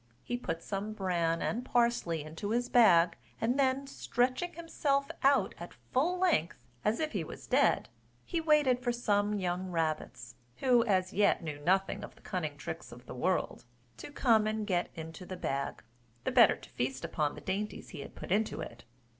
He put some bran and some parsley into his bag; and then stretching himself out at full length as if he was dead, he waited for some young rabbits, who as yet knew nothing of the cunning tricks of the world, to come and get into the bag, the better to feast upon the dainties he had put into it.